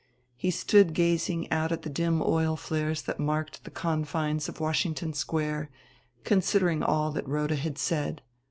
He stood gazing out at the dim oil flares that marked the confines of Washington Square, considering all that Rhoda had said.